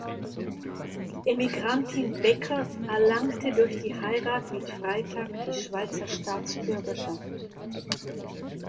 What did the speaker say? Die Emigrantin Becker erlangte durch die Heirat mit Freitag die Schweizer Staatsbürgerschaft.